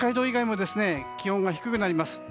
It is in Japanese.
以外も気温が低くなります。